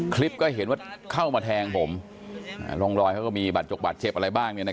คลิปก็เห็นว่าเข้ามาแทงผมร่องรอยเขาก็มีบัตรจกบัตรเจ็บอะไรบ้าง